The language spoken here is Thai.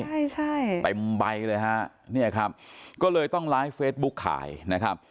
ใช่ใช่เต็มใบเลยฮะเนี่ยครับก็เลยต้องไลฟ์เฟซบุ๊คขายนะครับ